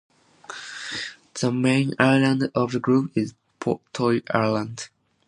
The main island of the group is Po Toi Island.